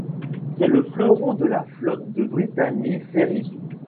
C'est le fleuron de la flotte de Brittany Ferries.